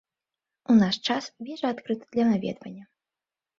У наш час вежа адкрыта для наведвання.